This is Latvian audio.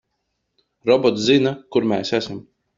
Robots zina, kur mēs esam.